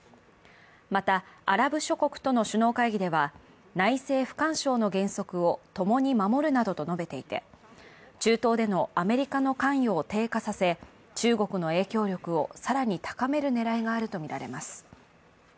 またアラブ諸国との首脳会議では内政不干渉の原則を共に守るなどと述べていて、中東でのアメリカの関与を低下させ、中国の影響力を更に高める狙いがあるとみられます。